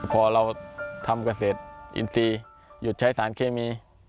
พอเราทำเกษตรอินทรีย์หยุดใช้สารเคมี